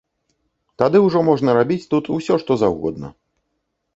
Тады ўжо можна рабіць тут усё, што заўгодна.